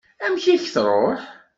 Amek i k-truḥ?